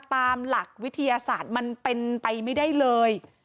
ตามหลักวิทยาศาสตร์มันเป็นไปไม่ได้เลย